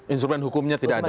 instrumen hukumnya tidak ada